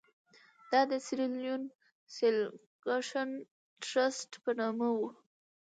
دا د سیریلیون سیلکشن ټرست په نامه وو.